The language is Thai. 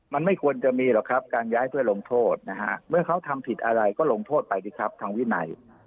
มันไม่ควรจะมีหรอกครับการย้ายเพื่อลงโทษนะฮะเมื่อเขาทำผิดอะไรก็ลงโทษไปสิครับทางวินัย